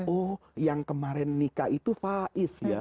oh yang kemarin nikah itu faiz ya